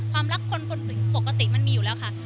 ความรักคนปกติมันมีอยู่แล้วค่ะ